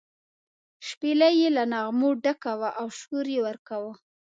شپېلۍ یې له نغمو ډکه وه او شور یې ورکاوه.